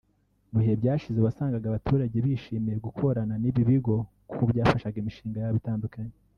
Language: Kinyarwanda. Mu bihe byashize wasangaga abaturage bishimiye gukorana n’ibi bigo kuko byabafashaga imishinga yabo itandukanye